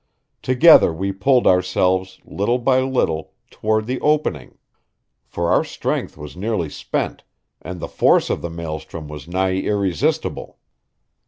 Together we pulled ourselves, little by little, toward the opening; for our strength was nearly spent, and the force of the maelstrom was nigh irresistible.